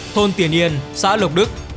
thôn tiền yên xã lộc đức